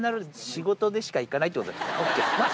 仕事でしか行かないってことですね。